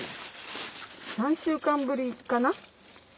３週間ぶりかな。